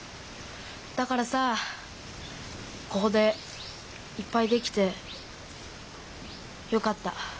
だからさここでいっぱいできてよかった。